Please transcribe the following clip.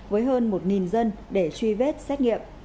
với hơn một dân để truy vết xét nghiệm